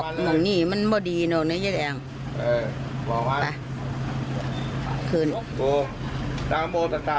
ขึ้นอยู่กับความเชื่อนะฮะสุดท้ายเนี่ยทางครอบครัวก็เชื่อว่าป้าแดงก็ไปที่วัดแล้ว